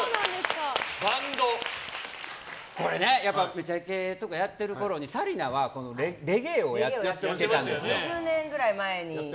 「めちゃイケ」とかやってるころに紗理奈はレゲエをやってたんですよ。